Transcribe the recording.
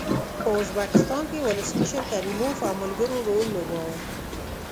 په ازبکستان کې ولسمشر کریموف او ملګرو رول لوباوه.